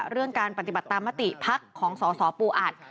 เรื่องการปฏิบัติตามมติพักของสสปูอัด